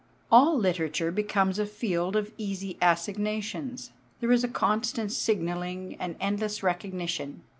All literature becomes a field of easy assignations; there is a constant signalling, an endless recognition.